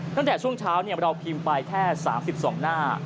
ตั้งแต่ช่วงเช้าเราพิมพ์ไปแค่๓๒หน้า